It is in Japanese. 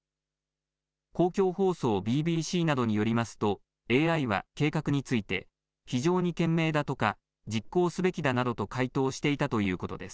公共放送ＢＢＣなどによりますとＡＩは計画について非常に賢明だとか、実行すべきだなどと回答していたということです。